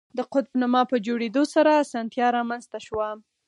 د قطب نما په جوړېدو سره اسانتیا رامنځته شوه.